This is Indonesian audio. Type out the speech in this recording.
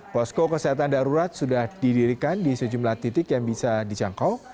posko kesehatan darurat sudah didirikan di sejumlah titik yang bisa dijangkau